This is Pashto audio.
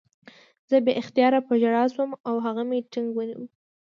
زه بې اختیاره په ژړا شوم او هغه مې ټینګ ونیو